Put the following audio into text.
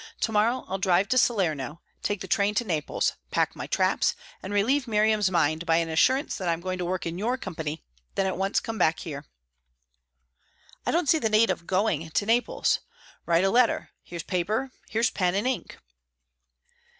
To morrow I'll drive to Salerno, take the train to Naples, pack my traps, and relieve Miriam's mind by an assurance that I'm going to work in your company; then at once come back here." "I don't see the need of going to Naples. Write a letter. Here's paper; here's pen and ink."